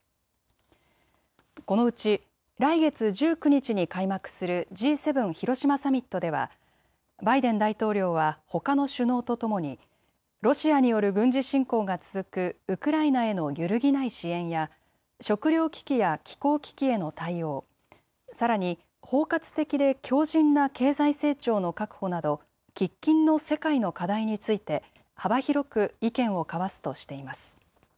このうち来月１９日に開幕するＧ７広島サミットではバイデン大統領は、ほかの首脳とともにロシアによる軍事侵攻が続くウクライナへの揺るぎない支援や食料危機や気候危機への対応、さらに包括的で強じんな経済成長の確保など喫緊の世界の課題について幅広く意見を交わすとしています。